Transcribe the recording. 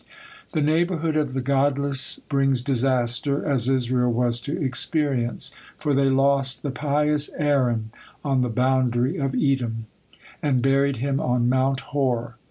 The neighborhood of the godless brings disaster, as Israel was to experience, for they lost the pious Aaron on the boundary of Edom, and buried him on Mount Hor.